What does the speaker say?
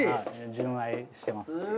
純愛してます。